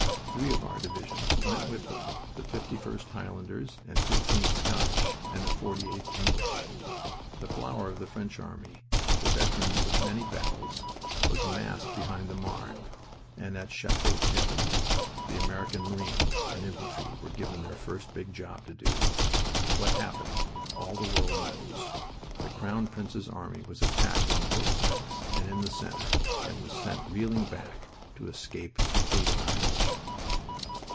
Three of our divisions went with them, the 51st Highlanders and 15th Scottish, and the 48th English. The flower of the French army, the veterans of many battles, was massed behind the Marne, and at Chateau Thierry the American marines and infantry were given their first big job to do. What happened all the world knows. The Crown Prince's army was attacked on both flanks and in the center, and was sent reeling back to escape complete annihilation.